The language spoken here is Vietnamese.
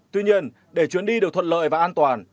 tuy nhiên để chuyến đi được thuận lợi và an toàn